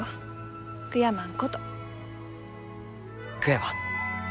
悔やまん。